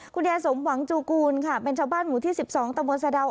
ยายสมหวังจูกูลค่ะเป็นชาวบ้านหมู่ที่๑๒ตะบนสะดาว